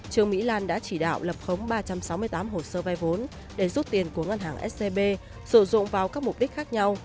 trương mỹ lan đã chỉ đạo lập khống ba trăm sáu mươi tám hồ sơ vay vốn để rút tiền của ngân hàng scb sử dụng vào các mục đích khác nhau